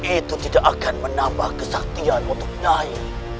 itu tidak akan menambah kesaktian untuk nyai